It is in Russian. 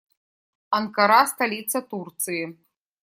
Анкара - столица Турции.